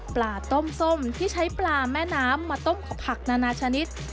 ปลาต้มส้มที่ใช้ปลาแม่น้ำมาต้มผักนานาชนิด